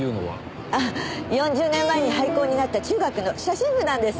４０年前に廃校になった中学の写真部なんです。